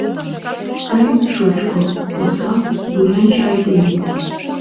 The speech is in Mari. — Сталин — шучко, осал, вуянче айдеме.